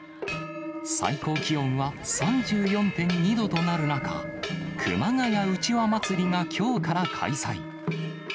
最高気温は３４．２度となる中、熊谷うちわ祭りがきょうから開催。